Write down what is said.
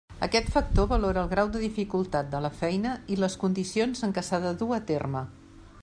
Aquest factor valora el grau de dificultat de la feina i les condicions en què s'ha de dur a terme.